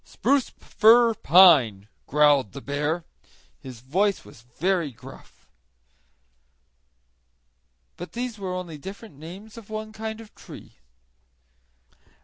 "Spruce, fir, pine," growled the bear. His voice was very gruff. But all these were only different names of one kind of tree.